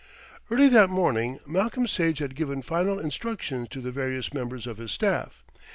Early that morning Malcolm Sage had given final instructions to the various members of his staff.